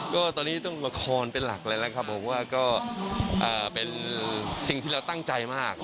ก็ตอนนี้ต้องละครเป็นหลักเลยแล้วครับผมว่าก็เป็นสิ่งที่เราตั้งใจมาก